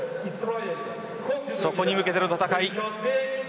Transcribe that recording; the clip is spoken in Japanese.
そこに向けての戦い。